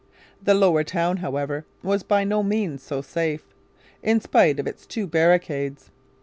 The Lower Town, however, was by no means so safe, in spite of its two barricades.